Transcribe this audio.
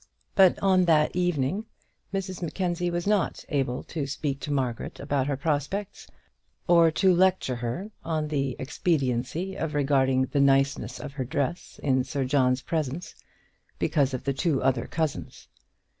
But on that evening Mrs Mackenzie was not able to speak to Margaret about her prospects, or to lecture her on the expediency of regarding the nicenesses of her dress in Sir John's presence, because of the two other cousins.